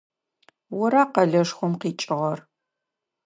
Ора къэлэшхом къикӏыгъэр?